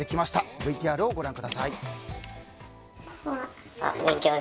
ＶＴＲご覧ください。